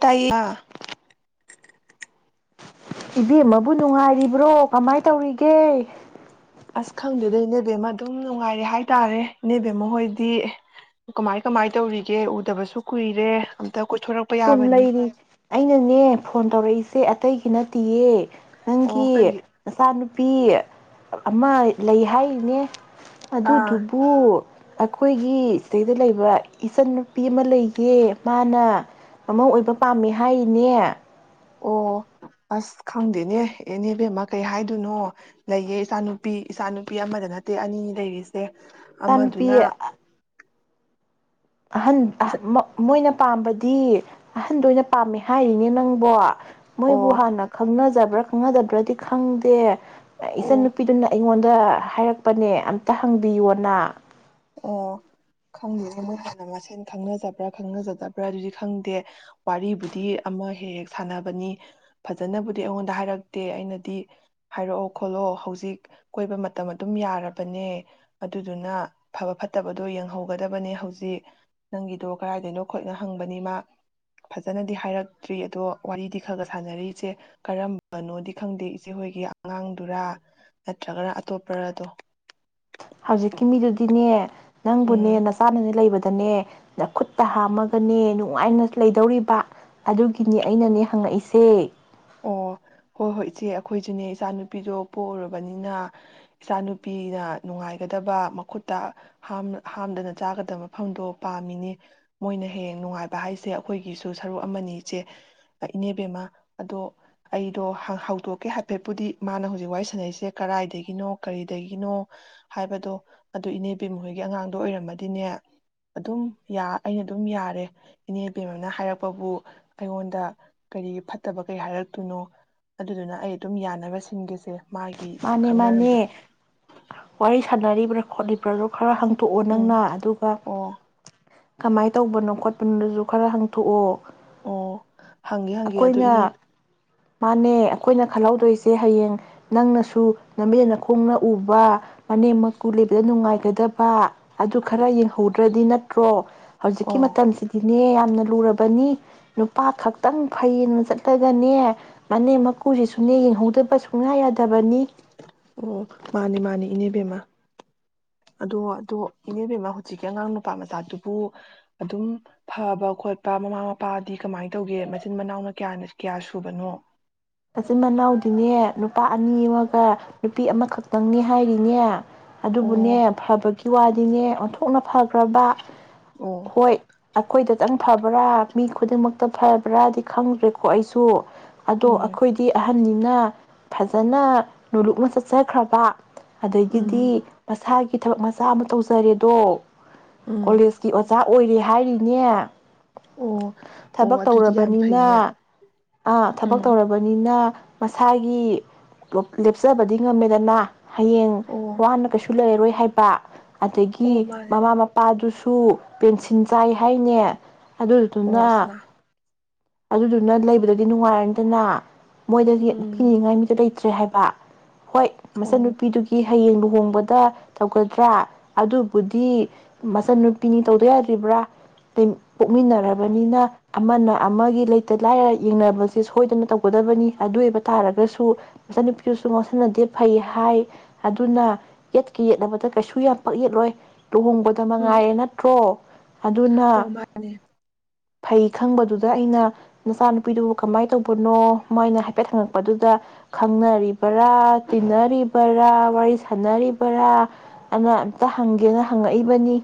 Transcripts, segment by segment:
ꯇꯥꯏꯌꯦ ꯏꯕꯦꯝꯃꯕꯨ ꯅꯨꯡꯉꯥꯏꯔꯤꯕ꯭ꯔꯣ ꯀꯃꯥꯏꯅ ꯇꯧꯔꯤꯒꯦ ꯑꯁ ꯈꯪꯗꯦꯗꯩ ꯏ ꯅꯦꯕꯦꯝꯃ ꯑꯗꯨꯝ ꯅꯨꯡꯉꯥꯏꯔꯦ ꯍꯥꯏꯇꯥꯔꯦ ꯏꯅꯦꯕꯦꯝꯃ ꯍꯣꯏꯗꯤ ꯀꯃꯥꯏ ꯀꯃꯥꯏ ꯇꯧꯔꯤꯒꯦ ꯎꯗꯕꯁꯨ ꯀꯨꯏꯔꯦ ꯀꯣꯏꯊꯣꯔꯛꯄ ꯁꯨꯝ ꯌꯥꯕꯅꯤ ꯂꯩꯔꯤ ꯑꯩꯅꯅꯦ ꯐꯣꯟ ꯇꯧꯔꯛꯏꯁꯦ ꯑꯇꯩꯒꯤ ꯅꯠꯇꯤꯌꯦ ꯑꯣ ꯅꯪꯒꯤ ꯀꯩꯒꯤ ꯃꯆꯥꯅꯨꯄꯤ ꯑꯃ ꯂꯩ ꯍꯥꯏꯔꯤꯅꯦ ꯑꯥ ꯑꯗꯨꯗꯨꯕꯨ ꯑꯩꯈꯣꯏꯒꯤ ꯁꯤꯗꯩꯗ ꯂꯩꯕ ꯏꯆꯟ ꯅꯨꯄꯤ ꯑꯃ ꯂꯩꯌꯦ ꯃꯥꯅ ꯃꯥꯃꯧ ꯑꯣꯏꯕ ꯄꯥꯝꯃꯦ ꯍꯥꯏꯔꯤꯅꯦ ꯑꯣ ꯑꯁ ꯈꯪꯗꯦꯅꯦ ꯏꯅꯦꯕꯦꯝꯃ ꯀꯩ ꯍꯥꯏꯗꯣꯏꯅꯣ ꯂꯩꯌꯦ ꯏꯆꯥꯅꯨꯄꯤ ꯏꯆꯥꯅꯨꯄꯤ ꯑꯃꯗ ꯅꯠꯇꯦ ꯑꯅꯤ ꯂꯩꯔꯤꯁꯦ ꯇꯥꯟꯄꯤ ꯑꯃꯗꯨꯅ ꯑꯍꯟ ꯃꯣꯏꯅ ꯄꯥꯝꯕꯗꯤ ꯑꯍꯟꯗ ꯑꯣꯏꯅ ꯄꯥꯝꯃꯦ ꯍꯥꯏꯔꯤꯅꯦ ꯅꯪꯕꯣ ꯃꯣꯏꯕꯨ ꯑꯣ ꯍꯥꯟꯅ ꯈꯪꯅꯖꯕ꯭ꯔꯥ ꯈꯪꯅꯗꯕ꯭ꯔꯗꯤ ꯈꯪꯗꯦ ꯏꯆꯟ ꯑꯣ ꯅꯨꯄꯤꯗꯨꯅ ꯑꯩꯉꯣꯟꯗ ꯑꯗ ꯍꯥꯏꯔꯛꯄꯅꯦ ꯑꯝꯇ ꯍꯪꯕꯤꯌꯣꯅ ꯑꯣ ꯈꯪꯗꯦ ꯃꯣꯏ ꯍꯥꯟꯅ ꯃꯁꯦꯟ ꯈꯪꯅꯖꯕ꯭ꯔꯥ ꯈꯪꯅꯖꯗꯕ꯭ꯔꯥ ꯑꯗꯨꯗꯤ ꯈꯪꯗꯦ ꯋꯥꯔꯤꯕꯨꯗꯤ ꯑꯃ ꯍꯦꯛ ꯍꯦꯛ ꯁꯥꯟꯅꯕꯅꯤ ꯐꯖꯅꯕꯨꯗꯤ ꯑꯩꯉꯣꯟꯗ ꯍꯥꯏꯔꯛꯇꯦ ꯑꯩꯅꯗꯤ ꯍꯥꯏꯔꯛꯑꯣ ꯈꯣꯠꯂꯣ ꯍꯧꯖꯤꯛ ꯀꯣꯏꯕ ꯃꯇꯝ ꯑꯗꯨꯝ ꯌꯥꯔꯕꯅꯦ ꯑꯗꯨꯗꯨꯅ ꯐꯕ ꯐꯠꯇꯕꯗꯣ ꯌꯦꯡꯍꯧꯒꯗꯕꯅꯦ ꯍꯧꯖꯤꯛ ꯅꯪꯒꯤꯗꯣ ꯀꯗꯥꯏꯗꯩꯅꯣ ꯈꯣꯠꯅꯣ ꯍꯪꯕꯅꯤ ꯃꯥ ꯐꯖꯅꯗꯤ ꯍꯥꯏꯔꯛꯇ꯭ꯔꯤ ꯑꯗꯣ ꯋꯥꯔꯤꯗꯤ ꯈꯔ ꯈ ꯁꯥꯟꯅꯔꯤ ꯏꯆꯦ ꯀꯔꯝꯕꯅꯣꯗꯤ ꯈꯪꯗꯦ ꯏꯆꯦꯍꯣꯏꯒꯤ ꯑꯉꯥꯡꯗꯨꯔꯥ ꯅꯠꯇ꯭ꯔꯒꯅ ꯑꯇꯣꯞꯄꯔꯗꯣ ꯍꯧꯖꯤꯛꯀꯤ ꯃꯤꯗꯨꯗꯤꯅꯦ ꯅꯪꯕꯨꯅꯦ ꯎꯝ ꯅ ꯆꯥꯅꯅꯦ ꯂꯩꯕꯗ ꯅꯦ ꯈꯨꯠꯇ ꯍꯥꯝꯃꯒꯅꯦ ꯅꯨꯡꯉꯥꯏꯅ ꯂꯩꯗꯧꯔꯤꯕ ꯑꯗꯨꯒꯤꯅꯤ ꯑꯩꯅꯅꯦ ꯍꯪꯉꯛꯏꯁꯦ ꯑꯣ ꯍꯣꯏ ꯍꯣꯏ ꯏꯆꯦ ꯑꯩꯈꯣꯏꯁꯨꯅꯦ ꯏꯆꯥꯅꯨꯄꯤꯗꯣ ꯄꯣꯛꯎꯔꯕꯅꯤꯅ ꯏꯆꯥ ꯅꯨꯨꯄꯤꯅ ꯅꯨꯡꯉꯥꯏꯒꯗꯕ ꯃꯈꯨꯠꯇꯝ ꯍꯥꯝꯗꯅ ꯆꯥꯒꯗꯕ ꯃꯐꯝꯗꯣ ꯄꯥꯝꯃꯤꯅꯦ ꯃꯣꯏꯅ ꯍꯌꯦꯡ ꯅꯨꯡꯉꯥꯏꯕ ꯍꯥꯏꯁꯦ ꯑꯩꯈꯣꯏꯒꯤꯁꯨ ꯁꯔꯨꯛ ꯑꯃꯅꯤ ꯏꯆꯦ ꯏꯅꯦꯕꯦꯝꯃ ꯑꯗꯣ ꯑꯩꯗꯣ ꯍꯧꯗꯣꯛꯀꯦ ꯍꯥꯏꯐꯦꯠꯄꯨꯗꯤ ꯃꯥꯅ ꯍꯧꯖꯤꯛ ꯋꯥꯔꯤ ꯁꯥꯟꯅꯔꯤꯁꯦ ꯀꯗꯥꯏꯗꯒꯤꯅꯣ ꯀꯔꯤꯗꯒꯤꯅꯣ ꯍꯥꯏꯕꯗꯣ ꯑꯗꯨꯣ ꯏꯅꯦꯕꯦꯝ ꯃꯈꯣꯏꯒꯤ ꯑꯉꯥꯡꯗꯣ ꯑꯣꯏꯔꯝꯃꯗꯤꯅꯦ ꯑꯗꯨꯝ ꯑꯩꯅ ꯑꯗꯨꯝ ꯌꯥꯔꯦ ꯏꯅꯦꯕꯦꯝ ꯑꯃꯅ ꯍꯥꯏꯔꯛꯄꯕꯨ ꯑꯩꯉꯣꯟꯗ ꯀꯔꯤꯒꯤ ꯐꯠꯇꯕ ꯀꯩ ꯍꯥꯏꯔꯛꯇꯣꯏꯅꯣ ꯑꯗꯨꯗꯨꯅ ꯑꯩ ꯑꯗꯨꯝ ꯌꯥꯅꯕ ꯁꯤꯟꯒꯁꯦ ꯃꯥꯅꯦ ꯃꯥꯅꯦ ꯋꯥ ꯁꯥꯟꯅꯔꯤꯕ꯭ꯔꯥ ꯈꯣꯠꯂꯤꯕ꯭ꯔꯥꯗꯣ ꯈꯔ ꯍꯪ ꯇꯣꯛꯑꯣ ꯎꯝ ꯅꯪꯅ ꯑꯗꯨꯒ ꯑꯣ ꯀꯃꯥꯏ ꯇꯧꯕꯅꯣ ꯈꯣꯠꯄꯅꯣꯗꯁꯨ ꯈꯔ ꯍꯥꯡꯇꯣꯛꯑꯣ ꯑꯣ ꯍꯪꯉꯦ ꯍꯪꯒꯦ ꯑꯗꯨ ꯏꯅꯦ ꯃꯥꯅꯦ ꯑꯩꯈꯣꯏꯅ ꯈꯜꯍꯧꯗꯣꯏꯁꯦ ꯍꯌꯦꯡ ꯅꯪꯅ ꯁꯨ ꯂꯝꯕꯦꯜꯅ ꯈꯣꯡꯅ ꯎꯕ ꯃꯅꯦꯝ ꯃ ꯀꯨꯜꯂꯤꯕꯗ ꯅꯨꯡꯉꯥꯏ ꯀꯨ꯫ ꯑꯗꯨ ꯈꯔ ꯌꯦꯡꯍꯧꯗ꯭ꯔꯗꯤ ꯅꯠꯇ꯭ꯔꯣ ꯍꯧꯖꯤꯛꯀꯤ ꯑꯣ ꯃꯇꯝꯁꯤꯗꯤꯅꯦ ꯌꯥꯝ ꯌꯥꯝꯅ ꯂꯨꯔꯕꯅꯤ ꯅꯨꯄꯥ ꯈꯛꯇꯪ ꯐꯅ ꯆꯠꯂꯒꯅꯦ ꯃꯅꯦꯝ ꯃꯀꯨꯁꯤ ꯁꯨꯅꯦ ꯌꯦꯡꯍꯧꯗꯕ ꯁꯨꯡꯌꯥ ꯌꯥꯗꯕꯅꯤ ꯑꯣ ꯃꯥꯅꯦ ꯃꯥꯅꯦ ꯏꯅꯦꯕꯦꯝꯃ ꯑꯗꯣ ꯑꯗꯣ ꯏꯅꯦꯕꯦꯝꯃ ꯍꯧꯖꯤꯛꯀꯤ ꯑꯉꯥꯡ ꯅꯨꯄꯥ ꯃꯆꯥꯗꯨꯕꯨ ꯑꯗꯨꯝ ꯐꯕ ꯈꯣꯠꯄ ꯃꯃꯥ ꯃꯄꯥꯗꯤ ꯀꯃꯥꯏꯅ ꯇꯧꯒꯦ ꯃꯆꯤꯟ ꯃꯅꯥꯎꯅ ꯀꯌꯥꯅ ꯀꯌꯥ ꯁꯨꯕꯅꯣ ꯃꯆꯤꯟ ꯃꯅꯥꯎꯗꯤꯅꯦ ꯅꯨꯄꯥ ꯑꯅꯤ ꯑꯃꯒ ꯅꯨꯄꯤ ꯑꯃꯈꯛꯇꯪꯅꯤ ꯍꯥꯏꯔꯤꯅꯦ ꯑꯗꯨꯕꯨꯅꯦ ꯑꯣ ꯐꯕꯒꯤ ꯋꯥꯗꯤꯅꯦ ꯑꯣꯟꯊꯣꯛꯅ ꯐꯈ꯭ꯔꯕ ꯑꯣ ꯍꯣꯏ ꯑꯩꯈꯣꯏꯗꯇꯪ ꯐꯕ꯭ꯔꯥ ꯃꯤ ꯈꯨꯗꯤꯡꯃꯛꯇ ꯐꯕ꯭ꯔꯥꯗꯤ ꯈꯪꯗ꯭ꯔꯦꯀꯣ ꯑꯩꯁꯨ ꯑꯗꯣ ꯎꯝ ꯍꯥꯏꯗꯤ ꯑꯍꯟꯅꯤꯅ ꯐꯖꯅ ꯅꯣꯂꯨꯛꯃ ꯆꯠꯆꯈ꯭ꯔꯕ ꯑꯗꯒꯤꯗꯤ ꯎꯝ ꯃꯁꯥꯒꯤ ꯊꯕꯛ ꯃꯆꯥ ꯑꯃ ꯇꯧꯖꯔꯦꯗꯣ ꯎꯝ ꯀꯣꯂꯦꯖꯀꯤ ꯑꯣꯖꯥ ꯑꯣꯏꯔꯦ ꯍꯥꯏꯔꯤꯅꯦ ꯑꯣ ꯑꯣ ꯊꯕꯛ ꯑꯗꯨꯗꯤ ꯌꯥꯝ ꯇꯧꯔꯕꯅꯤꯅ ꯐꯩꯅꯦ ꯑ ꯊꯕꯛ ꯎꯝ ꯇꯧꯔꯕꯅꯤ ꯑꯅ ꯃꯁꯥꯒꯤ ꯂꯦꯞꯆꯕꯗꯤ ꯉꯝꯃꯦꯗꯅ ꯍꯌꯦꯡ ꯑꯣ ꯋꯥꯅ ꯀꯩꯁꯨ ꯂꯩꯔꯔꯣꯏ ꯍꯥꯏꯕ ꯑꯗꯒꯤ ꯑꯣ ꯃꯥꯅꯦ ꯃꯃꯥ ꯃꯄꯥꯗꯨꯁꯨ ꯁꯨ ꯄꯦꯟꯁꯤꯟ ꯆꯥꯏ ꯍꯥꯏꯅꯦ ꯑꯣ ꯑꯗꯨꯗꯨꯅ ꯑꯁꯃꯥ ꯑꯗꯨꯗꯨꯅ ꯂꯩꯕꯗꯗꯤ ꯅꯨꯡꯉꯥꯏꯔꯅꯤꯗꯅ ꯃꯣꯏꯗꯁꯨ ꯎꯝ ꯀꯤꯅꯤꯡꯉꯥꯏ ꯃꯤꯁꯨ ꯀꯩ ꯠꯇ꯭ꯔꯤ ꯍꯥꯏꯕ ꯍꯣꯏ ꯑꯣ ꯃꯆꯟꯅꯨꯄꯤꯗꯨꯒꯤ ꯍꯌꯦꯡꯕꯨ ꯍꯣꯡꯕꯗ ꯇꯧꯒꯗ꯭ꯔꯥ ꯑꯗꯨꯕꯨꯗꯤ ꯃꯆꯟꯟꯅꯨꯄꯤꯅꯤ ꯇꯧꯗ ꯌꯥꯗ꯭ꯔꯤꯕ꯭ꯔꯥ ꯄꯣꯛꯃꯤꯟꯅꯔꯕꯅꯤꯅ ꯑꯃꯅ ꯑꯃꯒꯤ ꯂꯩꯇ ꯂꯥꯏꯔ ꯌꯦꯡꯅꯕꯁꯦ ꯁꯣꯏꯗꯅ ꯇꯧ ꯀꯗꯕꯅꯤ ꯑꯗꯨ ꯑꯣꯏꯕ ꯇꯥꯔꯒꯁꯨ ꯃꯆꯟꯅꯨꯄꯤꯗꯨꯁꯨ ꯉꯥꯡꯁꯤꯟꯅꯗꯦ ꯐꯩ ꯍꯥꯏ ꯑꯗꯨꯅ ꯌꯦꯠꯀ ꯌꯦꯠꯂꯅꯕꯗ ꯀꯩꯁꯨ ꯌꯥꯝ ꯄꯛ ꯌꯦꯠꯂꯣꯏ ꯂꯨꯍꯣꯡꯕꯗ ꯎꯝ ꯃꯉꯥꯏꯌꯦꯦ ꯅꯠꯇ꯭ꯔꯣ ꯑꯗꯨꯅ ꯑꯣ ꯚꯥꯏ ꯐꯩ ꯈꯪꯕꯗꯨꯗ ꯑꯩꯅ ꯅꯆꯥꯅꯨꯄꯤꯗꯨꯕꯨ ꯀꯃꯥꯏꯅ ꯇꯧꯕꯅꯣ ꯃꯣꯏꯅ ꯍꯥꯏꯐꯦꯠ ꯍꯪꯉꯛꯄꯗꯨꯗ ꯈꯪꯅꯔꯤꯕ ꯔꯥ ꯇꯤꯟꯅꯔꯤꯕꯔꯥ ꯋꯥꯔꯤ ꯁꯅ ꯄꯨꯔ ꯑꯗꯨꯅ ꯇ ꯍꯪꯒꯦꯅ ꯍꯪꯉꯛꯏꯕꯅꯤ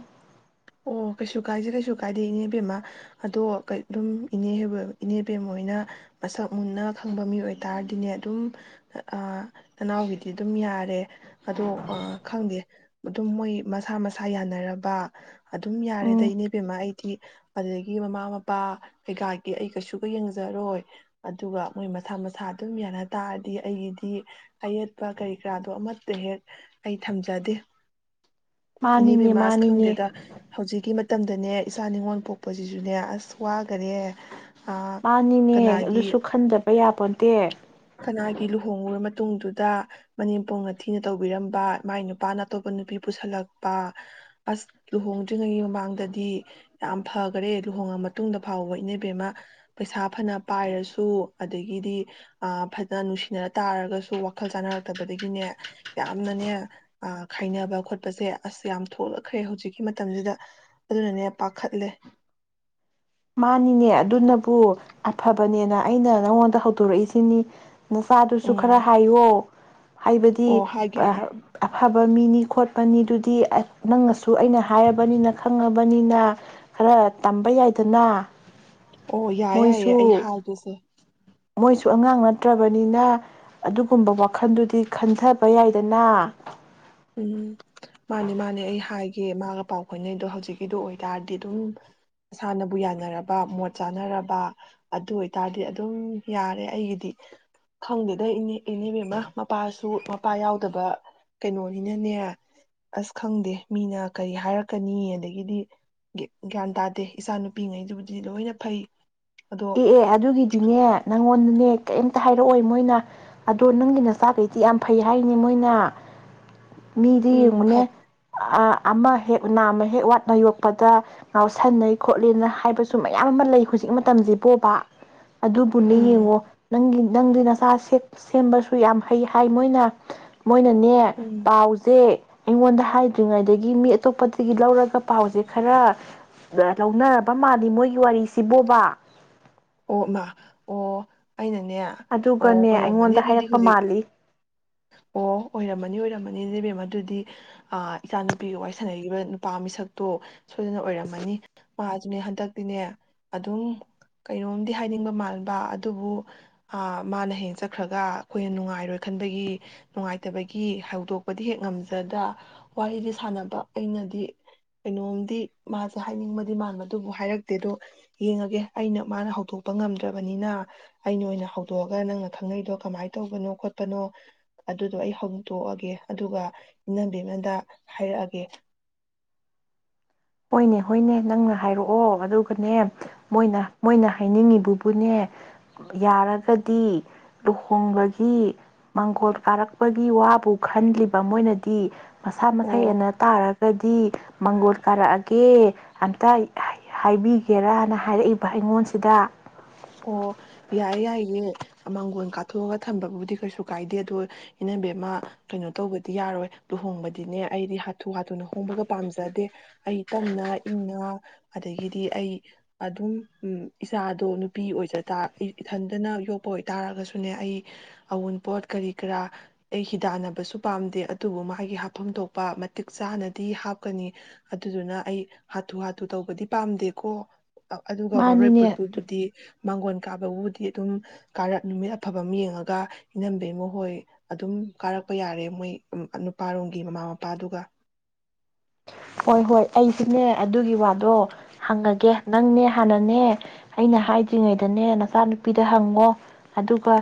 ꯑꯣ ꯀꯩꯁꯨ ꯀꯥꯏꯁꯦ ꯀꯩꯁꯨ ꯀꯥꯏꯗꯦ ꯏꯅꯦꯕꯦꯝꯃ ꯑꯗꯣ ꯑꯗꯨꯝ ꯏꯅꯦꯕ ꯏꯅꯦꯕꯦꯝꯣꯏꯅ ꯃꯁꯛ ꯃꯨꯟꯅ ꯈꯪꯕ ꯃꯤ ꯑꯣꯏꯇꯥꯔꯗꯤꯅꯦ ꯑꯗꯨꯝ ꯅꯅꯥꯎꯒꯤꯗꯤ ꯑꯗꯨꯝ ꯌꯥꯔꯦ ꯑꯗꯣ ꯈꯪꯗꯦ ꯑꯗꯨꯝ ꯃꯣꯏ ꯃꯁꯥ ꯃꯁꯥ ꯌꯥꯅꯔꯕ ꯑꯗꯨꯝ ꯎꯝ ꯌꯥꯔꯦꯗꯩꯅꯦꯕꯦꯝꯃꯥ ꯑꯩꯗꯤ ꯑꯗꯨꯗꯒꯤ ꯃꯃꯥ ꯃꯄꯥ ꯀꯩꯀꯥꯒꯤ ꯑꯩ ꯀꯩꯁꯨꯒ ꯌꯦꯡꯖꯔꯣꯏ ꯑꯗꯨꯒ ꯃꯣꯏ ꯃꯁꯥ ꯃꯁꯥ ꯑꯗꯨꯝ ꯌꯥꯅ ꯇꯥꯔꯗꯤ ꯑꯩꯒꯤꯗꯤ ꯑꯌꯦꯠꯄ ꯀꯔꯤ ꯀꯔꯥꯗꯣ ꯑꯃꯠꯇ ꯍꯦꯛ ꯑꯩ ꯊꯝꯖꯗꯦ ꯏꯅꯦ ꯃꯥꯅꯤꯅꯦ ꯕꯦꯝꯃ ꯑꯁ ꯃꯥꯅꯤꯅꯦ ꯈꯪꯗꯦꯗ ꯍꯧꯖꯤꯛꯀꯤ ꯃꯇꯝꯗꯅꯦ ꯏꯁꯥ ꯅꯤꯉꯣꯜ ꯄꯣꯛꯄꯁꯤꯁꯨꯅꯦ ꯑꯁ ꯋꯥꯈꯔꯦ ꯃꯥꯅꯤꯅꯦ ꯑꯗꯨꯁꯨ ꯈꯟꯗꯕ ꯌꯥꯄꯣꯟꯇꯦ ꯀꯅꯥꯒꯤ ꯂꯨꯍꯣꯡꯉꯨꯔ ꯃꯇꯨꯡꯗꯨꯗ ꯃꯅꯦꯝꯄꯣꯛꯅ ꯊꯤꯅ ꯇꯧꯕꯤꯔꯝꯕ ꯃꯥꯏ ꯅꯨꯄꯥꯅ ꯑꯇꯣꯞꯄ ꯅꯨꯄꯤ ꯄꯨꯁꯤꯜꯂꯛꯄ ꯑꯁ ꯂꯨꯍꯣꯡꯗ꯭ꯔꯤꯉꯩꯒꯤ ꯃꯃꯥꯡꯗꯗꯤ ꯌꯥꯝ ꯐꯈꯔꯦ ꯂꯨꯍꯣꯡꯉ ꯃꯇꯨꯡꯗ ꯐꯥꯎꯕ ꯏꯅꯕꯤꯦꯝꯃ ꯄꯩꯁꯥ ꯐꯅ ꯄꯥꯏꯔꯁꯨ ꯑꯗꯒꯤꯗꯤ ꯐꯖꯅ ꯅꯨꯡꯁꯤꯅꯔ ꯇꯥꯔꯒꯁꯨ ꯋꯥꯈꯜ ꯆꯥꯅꯔꯛꯇꯕꯗꯒꯤꯅꯦ ꯌꯥꯝꯅꯅꯦ ꯈꯥꯏꯅꯕ ꯈꯣꯠꯄꯁꯦ ꯑꯁ ꯌꯥꯝ ꯊꯣꯛꯂꯛꯈ꯭ꯔꯦ ꯍꯧꯖꯤꯛꯀꯤ ꯃꯇꯝꯁꯤꯗ ꯑꯗꯨꯅꯅꯦ ꯄꯥꯈꯠꯂꯦ ꯃꯥꯅꯤꯅꯦ ꯑꯗꯨꯅꯕꯨ ꯑꯐꯕꯅꯦꯅ ꯑꯩꯅ ꯅꯪꯉꯣꯟꯗ ꯍꯧꯗꯣꯔꯛꯏꯁꯤꯅꯤ ꯅꯆꯥꯗꯨꯁꯨ ꯈꯔ ꯎꯝ ꯍꯥꯏꯌꯣ ꯑꯣ ꯍꯥꯏꯕꯗꯤ ꯍꯥꯏꯒꯦ ꯍꯥꯏ ꯑꯐꯕ ꯃꯤꯅꯤ ꯈꯣꯠꯄꯅꯤꯗꯨꯗꯤ ꯅꯪꯅꯁꯨ ꯑꯩꯅ ꯍꯥꯏꯔꯕꯅꯤꯅ ꯈꯪꯉꯕꯅꯤꯅ ꯈꯔ ꯇꯝꯕ ꯌꯥꯏꯗ ꯗꯥꯅꯥ ꯑꯣ ꯌꯥꯏ ꯌꯥꯏꯌꯦ ꯑꯩ ꯍꯥꯏꯒꯦꯁꯦ ꯃꯣꯏꯁꯨ ꯑꯉꯥꯡ ꯅꯠꯇ꯭ꯔꯕꯅꯤꯅ ꯑꯗꯨꯒꯨꯝꯕ ꯋꯥꯈꯜꯗꯨꯗꯤ ꯈꯟꯊꯕ ꯌꯥꯏꯗꯅ ꯎꯝ ꯃꯥꯅꯦ ꯃꯥꯅꯦ ꯑꯩ ꯍꯥꯏꯒꯦ ꯃꯥꯒ ꯄꯥꯎ ꯐꯥꯎꯅꯩꯗꯣ ꯍꯧꯖꯤꯛꯀꯤꯗꯣ ꯑꯣꯏ ꯇꯔꯗꯤ ꯑꯗꯨꯝ ꯃꯁꯥꯅꯕꯨ ꯌꯥꯅꯔꯕ ꯃꯣꯠ ꯆꯥꯅꯔꯕ ꯑꯗꯨ ꯑꯣꯏ ꯇꯔꯗꯤ ꯑꯗꯨꯝ ꯌꯥꯔꯦ ꯑꯩꯒꯤꯗꯤ ꯈꯪꯗꯦꯗ ꯏꯅꯦ ꯏꯅꯦꯕꯦꯝꯃꯥꯃꯥ ꯃꯄꯥꯁꯨ ꯃꯄꯥ ꯌꯥꯎꯗꯕ ꯀꯩꯅꯣꯅꯤꯅꯅꯦ ꯑꯁ ꯈꯪꯗꯦ ꯃꯤꯅ ꯀꯔꯤ ꯍꯥꯏꯔꯛꯀꯅꯤ ꯑꯗꯒꯤꯗꯤ ꯒ꯭ꯌꯥꯟ ꯇꯥꯗꯦ ꯏꯆꯥ ꯅꯨꯄꯤꯉꯩꯗꯨꯕꯨꯗꯤ ꯂꯣꯏꯅ ꯐꯩ ꯑꯗꯣ ꯑꯦ ꯑꯦ ꯑꯗꯨꯒꯤꯗꯤꯅꯦ ꯅꯪꯉꯣꯟꯗꯅꯦ ꯀꯔꯤꯝꯇ ꯍꯥꯏꯔꯛꯑꯣ ꯃꯣꯏꯅ ꯑꯗꯣ ꯅꯪꯒꯤ ꯅ ꯆꯥꯛꯈꯩꯗꯤ ꯌꯥꯝ ꯐꯩ ꯍꯥꯏꯔꯤꯅꯦ ꯃꯣꯏꯅ ꯃꯤꯗꯤ ꯎꯝ ꯌꯦꯡꯉꯨꯅꯦ ꯑ ꯑꯃ ꯍꯦꯛ ꯅꯥꯝꯃ ꯍꯦꯛ ꯋꯥꯠꯅ ꯌꯣꯛꯄꯗ ꯉꯥꯎꯁꯟꯅꯩ ꯈꯣꯠꯂꯤꯅ ꯍꯥꯏꯕꯁꯨ ꯃꯌꯥꯝ ꯑꯃ ꯂꯩ ꯍꯧꯖꯤꯛ ꯃꯇꯝꯁꯤ ꯕꯣꯕꯥ ꯑꯗꯨꯕꯨꯅꯦ ꯎꯝ ꯌꯦꯡꯉꯣ ꯅꯪꯒꯤ ꯅꯪꯗꯤ ꯅꯆꯥ ꯁꯦꯝꯕꯁꯨ ꯌꯥꯝ ꯍꯩ ꯍꯥꯏ ꯃꯣꯏꯅ ꯃꯣꯏꯅꯅꯦ ꯎꯝ ꯄꯥꯎꯁꯦ ꯑꯩꯉꯣꯟꯗ ꯍꯥꯏꯗ꯭ꯔꯤꯉꯩꯗꯒꯤ ꯃꯤ ꯑꯇꯣꯞꯄꯗꯒꯤ ꯂꯧꯔꯒ ꯄꯥꯎꯁꯦ ꯈꯔ ꯂꯧꯅꯔꯕ ꯃꯥꯜꯂꯤ ꯃꯣꯏꯒꯤ ꯋꯥꯔꯤꯁꯤ ꯕꯣꯕꯥ ꯑꯣ ꯃꯥ ꯑꯣ ꯑꯩꯅꯅꯦ ꯑꯣ ꯑꯗꯨꯒꯅꯦ ꯑꯣꯏꯔꯝꯃꯅꯤ ꯑꯩꯉꯣꯟꯗ ꯑꯗꯨꯗꯤ ꯍꯥꯏꯔꯛꯄ ꯍꯧꯖꯤꯛ ꯃꯥꯜꯂꯤ ꯑꯣ ꯑꯣꯏꯔꯝꯃꯅꯤ ꯑꯣꯏꯔꯝꯃꯅꯤ ꯏꯅꯦꯕꯦꯝ ꯑꯗꯨꯗꯤ ꯏꯆꯥꯅꯨꯄꯤꯒꯤ ꯋꯥꯔꯤ ꯁꯥꯟꯅꯈꯤꯕ ꯅꯨꯄꯥ ꯃꯤꯁꯛꯇꯣ ꯁꯣꯏꯗꯅ ꯑꯣꯏꯔꯝꯃꯅꯤ ꯃꯥꯁꯨꯅꯦ ꯍꯟꯗꯛꯇꯤꯅꯦ ꯑꯗꯨꯝ ꯀꯩꯅꯣꯝꯗꯤ ꯍꯥꯏꯅꯤꯡꯕ ꯃꯥꯟꯕ ꯑꯗꯨꯕꯨ ꯃꯥꯅ ꯍꯦꯛ ꯆꯠꯈ꯭ꯔꯒ ꯑꯩꯈꯣꯏꯅ ꯅꯨꯡꯉꯥꯏꯔꯣꯏ ꯈꯟꯕꯒꯤ ꯅꯨꯡꯉꯥꯏꯇꯕꯒꯤ ꯍꯧꯗꯣꯛꯄꯗꯤ ꯍꯦꯛ ꯉꯝꯖꯗ ꯋꯥꯔꯤꯗꯤ ꯁꯥꯟꯅꯕ ꯑꯩꯅꯗꯤ ꯀꯩꯅꯣꯝꯗꯤ ꯃꯥꯁꯦ ꯍꯥꯏꯅꯤꯡꯕꯗꯤ ꯃꯥꯟꯕꯗꯨꯕꯨ ꯍꯥꯏꯔꯛꯇꯦ ꯑꯗꯣ ꯌꯦꯡꯉꯒꯦ ꯑꯩꯅ ꯃꯥꯅ ꯍꯧꯗꯣꯛꯄ ꯉꯝꯗ꯭ꯔꯕꯅꯤꯅ ꯑꯩꯅ ꯑꯣꯏꯅ ꯍꯧꯗꯣꯛꯑꯒ ꯅꯪꯅ ꯈꯪꯅꯩꯗꯣ ꯀꯃꯥꯏꯅ ꯇꯧꯕꯅꯣ ꯈꯣꯠꯄꯅꯣ ꯑꯗꯨꯗꯣ ꯑꯩ ꯍꯧꯗꯣꯛꯑꯒꯦ ꯑꯗꯨꯒ ꯏꯅꯝꯕꯦꯝꯃꯗ ꯍꯥꯏꯔꯛꯑꯒꯦ ꯍꯣꯏꯅꯦ ꯍꯣꯏꯅꯦ ꯅꯪꯅ ꯍꯥꯏꯔꯛꯑꯣ ꯑꯗꯨꯒꯅꯦ ꯃꯣꯏꯅ ꯃꯣꯏꯅ ꯍꯥꯏꯅꯤꯡꯉꯤꯕꯕꯨꯅꯦ ꯌꯥꯔꯒꯗꯤ ꯂꯨꯍꯣꯡꯕꯒꯤ ꯃꯥꯡꯒꯣꯜ ꯀꯥꯔꯛꯄꯒꯤ ꯋꯥꯕꯨ ꯈꯜꯂꯤꯕ ꯃꯣꯏꯅꯗꯤ ꯃꯁꯥ ꯃꯁꯥ ꯑꯣ ꯌꯥꯟꯅ ꯇꯥꯔꯒꯗꯤ ꯃꯪꯒꯣꯜ ꯀꯥꯔꯛꯑꯒꯦ ꯑꯃꯇ ꯍꯥꯏꯕꯤꯒꯦꯔꯅ ꯍꯥꯏꯔꯛꯏꯕ ꯑꯩꯉꯣꯟꯁꯤꯗ ꯑꯣ ꯌꯥꯏ ꯌꯥꯏꯌꯦ ꯃꯥꯡꯒꯣꯜ ꯀꯥꯊꯣꯛꯑꯒ ꯊꯝꯕꯕꯨꯗꯤ ꯀꯩꯁꯨ ꯀꯥꯏꯗꯦ ꯑꯗꯣ ꯏꯅꯝꯕꯦꯝꯃ ꯀꯩꯅꯣ ꯇꯧꯕꯗꯤ ꯌꯥꯔꯣꯏ ꯂꯨꯍꯣꯡꯕꯗꯤꯅꯦ ꯑꯩꯗꯤ ꯍꯥꯊꯨ ꯍꯥꯊꯨꯅ ꯍꯣꯡꯕꯒ ꯄꯥꯝꯖꯗꯦ ꯑꯩ ꯇꯝꯅ ꯏꯪꯅ ꯑꯗꯥꯒꯤꯗꯤ ꯑꯩ ꯑꯗꯨꯝ ꯏꯆꯥꯗꯣ ꯅꯨꯄꯤ ꯑꯣꯏꯖ ꯏꯊꯟꯗꯅ ꯌꯣꯛꯄ ꯑꯣꯏꯇꯥꯥꯔꯒꯁꯨꯅꯦ ꯑꯩ ꯑꯎꯟꯄꯣꯠ ꯀꯔꯤ ꯀꯔꯥ ꯑꯩ ꯍꯤꯗꯥꯟꯅꯕꯁꯨ ꯄꯥꯝꯗꯦ ꯑꯗꯨꯕꯨ ꯃꯥꯒꯤ ꯍꯥꯞꯐꯝ ꯊꯣꯛꯄ ꯃꯇꯤꯛ ꯆꯥꯅꯗꯤ ꯍꯥꯞꯀꯅꯤ ꯑꯗꯨꯗꯨꯅ ꯑꯩ ꯍꯥꯊꯨ ꯍꯥꯊꯨ ꯇꯧꯕꯗꯤ ꯄꯥꯝꯗꯦꯀꯣ ꯑꯗꯨꯒ ꯋꯥꯔꯣꯏ ꯃꯥꯅꯤꯅꯦ ꯄꯣꯠ ꯄꯨꯕꯗꯤ ꯃꯥꯡꯒꯣꯟ ꯀꯥꯕꯕꯨꯗꯤ ꯑꯗꯨꯝ ꯀꯥꯔꯛ ꯅꯨꯃꯤꯠ ꯑꯐꯕ ꯑꯃ ꯌꯦꯡꯉꯒ ꯏꯅꯝꯕꯦꯝꯃꯥ ꯍꯣꯏ ꯑꯗꯨꯝ ꯀꯥꯔꯛꯄ ꯌꯥꯔꯦ ꯃꯣꯏ ꯅꯨꯄꯥꯔꯣꯝꯒꯤ ꯃꯃꯥ ꯃꯄꯥꯗꯨꯒ ꯍꯣꯏ ꯍꯣꯏ ꯑꯩꯁꯤꯅꯦ ꯑꯗꯨꯒꯤ ꯋꯥꯗꯣ ꯍꯪꯉꯒꯦ ꯅꯪꯅꯦ ꯍꯥꯟꯅꯅꯦ ꯑꯩꯅ ꯍꯥꯏꯗ꯭ꯔꯤꯉꯩꯗꯅꯦ ꯅꯆꯥꯅꯨꯄꯤꯗ ꯍꯪꯉꯣ ꯑꯗꯨꯒ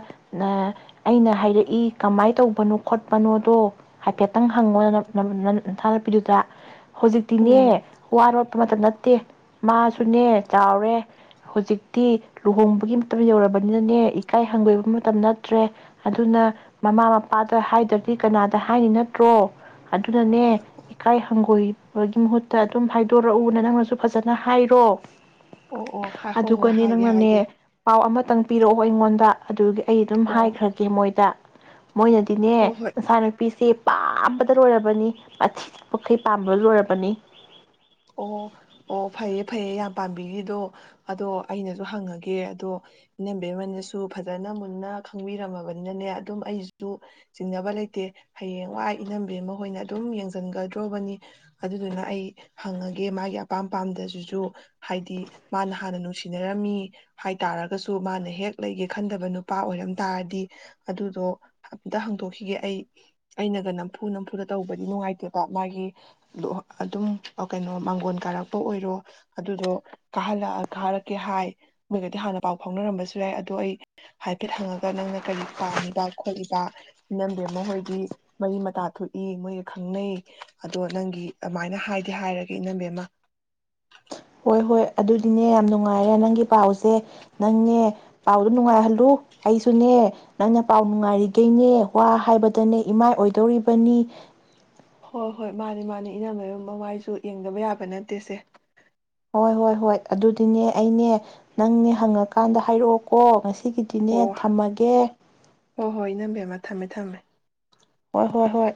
ꯑꯩꯅ ꯍꯥꯏꯔꯛꯏ ꯀꯃꯥꯏꯅ ꯇꯧꯕꯅꯣ ꯈꯣꯠꯄꯅꯣꯗꯣ ꯍꯥꯏꯐꯦꯠꯇꯪ ꯍꯪꯉꯣ ꯅꯆꯥꯅꯨꯄꯤꯗꯨꯗ ꯎꯝ ꯍꯧꯖꯤꯛꯇꯤꯅꯦ ꯋꯥꯔꯣꯠꯄ ꯃꯇꯝ ꯅꯠꯇꯦ ꯃꯥꯁꯨꯅꯦ ꯆꯥꯎꯔꯦ ꯍꯧꯖꯤꯛꯇꯤ ꯂꯨꯍꯣꯡꯕꯒꯤ ꯃꯇꯝ ꯌꯧꯔꯕꯅꯤꯅꯅꯦ ꯏꯀꯥꯏ ꯍꯪꯒꯣꯏꯕ ꯃꯇꯝ ꯅꯠꯇ꯭ꯔꯦ ꯑꯗꯨꯅ ꯃꯃꯥ ꯃꯄꯥꯗ ꯍꯥꯏꯗ꯭ꯔꯗꯤ ꯀꯅꯥꯗ ꯍꯥꯏꯅꯤ ꯅꯠꯇ꯭ꯔꯣ ꯑꯗꯨꯅꯅꯦ ꯏꯀꯥꯏ ꯍꯪꯒꯣꯏ ꯒꯤ ꯃꯍꯨꯠꯇ ꯑꯗꯨꯝ ꯍꯥꯏꯗꯣꯔꯛꯎꯅ ꯅꯪꯅꯁꯨ ꯐꯖꯅ ꯍꯥꯏꯔꯣ ꯑꯣ ꯑꯣ ꯍꯣꯏ ꯍꯣꯏ ꯑꯗꯨꯒꯅꯦ ꯍꯥꯏꯒꯦ ꯅꯪꯅꯅꯦ ꯍꯥꯏꯒꯦ ꯄꯥꯎ ꯑꯃ ꯈꯤꯇꯪ ꯄꯤꯔꯛꯑꯣ ꯑꯩꯉꯣꯟꯗ ꯑꯗꯨꯒꯤ ꯑꯩ ꯑꯗꯨꯝ ꯑꯣ ꯍꯥꯏꯈ꯭ꯔꯒꯦ ꯃꯣꯏꯗ ꯃꯣꯏꯅꯗꯤꯅꯦ ꯍꯣꯏ ꯍꯣꯏ ꯃꯆꯥꯅꯨꯄꯤꯁꯤ ꯄꯥꯝꯕꯗ ꯂꯣꯏꯔꯕꯅꯤ ꯃꯊꯤ ꯃꯈꯩ ꯄꯥꯝꯕꯗ ꯂꯣꯏꯔꯕꯅꯤ ꯄꯅꯤ ꯑꯣ ꯑꯣ ꯐꯩꯌꯦ ꯐꯩꯌꯦ ꯌꯥꯝ ꯄꯥꯝꯕꯤꯈꯤꯗꯣ ꯑꯗꯣ ꯑꯩꯅꯁꯨ ꯍꯪꯉꯒꯦ ꯑꯗꯣ ꯏꯅꯝꯕ ꯑꯃꯅꯁꯨ ꯐꯖꯅ ꯃꯨꯟꯅ ꯈꯪꯕꯤꯔꯝꯃꯕꯅꯤꯅꯅꯦ ꯑꯗꯨꯝ ꯑꯩꯁꯨ ꯆꯤꯡꯅꯕ ꯂꯩꯇꯦ ꯍꯌꯦꯡꯋꯥꯏ ꯏꯅꯕꯤ ꯑꯃ ꯍꯣꯏꯅ ꯑꯗꯨꯝ ꯌꯦꯡꯁꯤꯟꯒꯗ꯭ꯔꯣꯕꯅꯤ ꯑꯗꯨꯗꯨꯅ ꯑꯩ ꯍꯪꯉꯒꯦ ꯃꯥꯒꯤ ꯑꯄꯥꯝ ꯄꯥꯝꯗꯖꯁꯨ ꯍꯥꯏꯗꯤ ꯃꯥꯅ ꯍꯥꯟꯅ ꯅꯨꯡꯁꯤ ꯁꯤꯅꯔꯝꯃꯤ ꯍꯥꯏꯇꯥꯥꯔꯒꯁꯨ ꯃꯥꯅ ꯍꯦꯛ ꯂꯩꯒꯦ ꯈꯟꯗꯕ ꯅꯨꯄꯥ ꯑꯣꯏꯔꯝ ꯇꯥꯔꯗꯤ ꯑꯗꯨꯗꯣ ꯑꯝꯇ ꯍꯪꯗꯣꯛꯈꯤꯒꯦ ꯑꯩ ꯑꯩꯅꯒ ꯅꯝꯐꯨ ꯅꯝꯐꯨꯗ ꯇꯧꯕꯗꯤ ꯅꯨꯡꯉꯥꯏꯇꯦꯕ ꯃꯥꯒꯤ ꯑꯗꯨꯝ ꯀꯩꯅꯣ ꯃꯥꯡꯒꯣꯟ ꯀꯥꯔꯛꯄ ꯑꯣꯏꯔꯣ ꯑꯗꯨꯗꯣ ꯀꯥꯍꯜꯂ ꯀꯥꯍꯜꯂꯛꯀꯦ ꯍꯥꯏ ꯃꯣꯏꯒꯗꯤ ꯍꯥꯟꯅ ꯄꯥꯎ ꯐꯥꯎꯅꯔꯝꯕꯁꯨ ꯌꯥꯏ ꯑꯗꯣ ꯑꯩ ꯍꯥꯏꯐꯦꯠ ꯍꯪꯉꯒ ꯅꯪꯅ ꯀꯔꯤ ꯄꯥꯝꯃꯤꯕ ꯈꯣꯠꯂꯤꯕ ꯏꯅꯝꯕꯤ ꯃꯈ ꯍꯣꯏꯗꯤ ꯃꯔꯤ ꯃꯇꯥ ꯊꯣꯛꯏ ꯃꯣꯏꯒ ꯈꯪꯅꯩ ꯑꯗꯣ ꯅꯪꯒꯤ ꯑꯗꯨꯃꯥꯏꯅ ꯍꯥꯏ ꯗꯤ ꯍꯥꯏꯔꯒꯦ ꯏꯅꯝꯕꯦꯝꯃ ꯍꯣꯏ ꯍꯣꯏ ꯑꯗꯨꯗꯤꯅꯦ ꯌꯥꯝ ꯅꯨꯡꯉꯥꯏꯔꯦ ꯅꯪꯒꯤ ꯄꯥꯎꯁꯦ ꯅꯪꯅꯦ ꯄꯥꯎꯗ ꯅꯨꯡꯉꯥꯏꯍꯜꯂꯨ ꯑꯩꯁꯨꯅꯦ ꯅꯪꯅ ꯄꯥꯎ ꯅꯨꯡꯉꯥꯏꯔꯤꯈꯩꯅꯦ ꯋꯥ ꯍꯥꯏꯕꯗꯅꯦ ꯏꯃꯥꯏ ꯑꯣꯏꯗꯧꯔꯤꯕꯅꯤ ꯍꯣꯏ ꯍꯣꯏ ꯃꯥꯅꯤ ꯃꯥꯅꯤ ꯏꯅꯝꯃꯌꯨꯝ ꯃꯃꯥꯏꯁꯨ ꯌꯦꯡꯗꯕ ꯌꯥꯕ ꯅꯠꯇꯦꯁꯦ ꯍꯣꯏ ꯍꯣꯏ ꯍꯣꯏ ꯑꯗꯨꯗꯤꯅꯦ ꯑꯩꯅꯦ ꯅꯪꯅꯦ ꯍꯪꯉꯀꯥꯟꯗ ꯍꯥꯏꯔꯛꯑꯣꯀꯣ ꯉꯁꯤ ꯁꯤꯒꯤꯗꯤꯅꯦ ꯑꯣ ꯊꯝꯃꯒꯦ ꯍꯣꯏ ꯍꯣꯏ ꯏꯅꯝꯝꯕꯦꯝꯃ ꯊꯝꯃꯦ ꯊꯝꯃꯦ ꯍꯣꯏ ꯍꯣꯏ